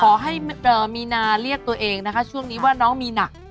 ขอให้มีนาเรียกตัวเองนะคะช่วงนี้ว่าน้องมีหนัก